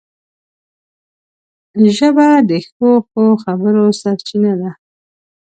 ژبه د ښو ښو خبرو سرچینه ده